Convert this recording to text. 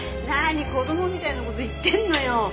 何子供みたいな事言ってんのよ。